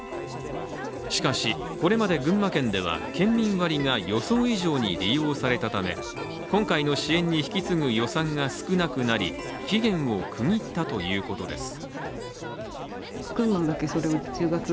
しかしこれまで群馬県では県民割が予想以上に利用されたため今回の支援に引き継ぐ予算が少なくなり期限を区切ったということです。